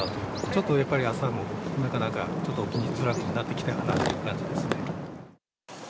ちょっとやっぱり朝もなかなかちょっと起きづらくなってきてるかなという感じですね。